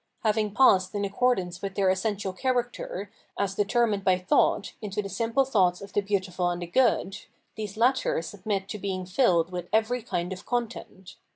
Having passed in accordance with their essential character, as determined by thought, into the simple thoughts of the Beautiful and the Good, these latter submit to being filled with every kind of content.